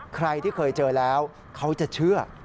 ใครที่เคยเจอแล้วเขาจะเชื่อ